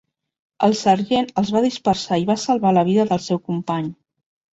El sergent els va dispersar i va salvar la vida del seu company.